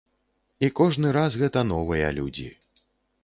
І кожны раз гэта новыя людзі!